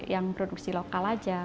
yang produksi lokal saja